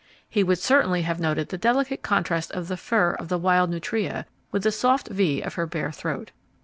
He would certainly have noted the delicate contrast of the fur of the wild nutria with the soft V of her bare throat.